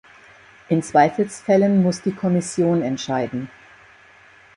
In Zweifelsfällen muss die Kommission entscheiden.